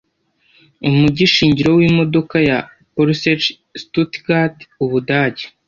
Umujyi shingiro wimodoka ya Porsche Stuttgart Ubudage